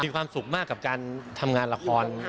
มีความสุขมากกับการทำงานละคร